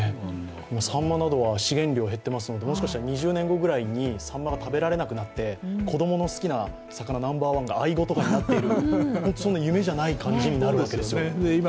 さんまなどは資源量が減ってますので、もしかしたら２０年後くらいにさんまが食べられなくなって子供の好きな魚ナンバー１がアイゴとかになっている、そういうのも夢じゃない感じなるわけですよね。